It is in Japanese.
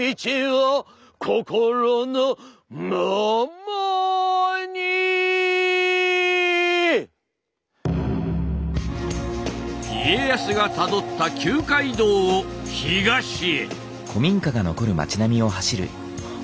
世に言う家康がたどった旧街道を東へ。